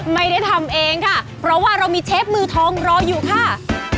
ไม่ได้ทำเองค่ะเพราะว่าเรามีเชฟมือทองรออยู่ค่ะ